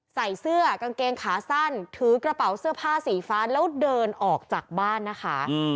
ใส่เสื้อกางเกงขาสั้นถือกระเป๋าเสื้อผ้าสีฟ้าแล้วเดินออกจากบ้านนะคะ